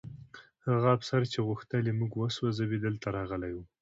هغه افسر چې غوښتل یې موږ وسوځوي دلته راغلی و